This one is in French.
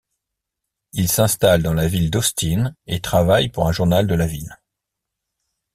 Il s'installe dans la ville d'Austin et travaille pour un journal de la ville.